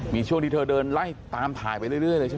มีช่วงที่เธอเดินไล่ตามถ่ายไปเรื่อยเลยใช่ไหม